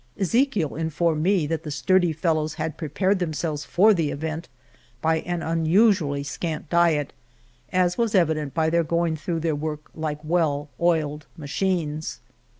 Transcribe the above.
Ezechiel informed me that the sturdy fellows had prepared themselves for the event by an unusually scant diet, as was evident by their going through their work like well oiled machines.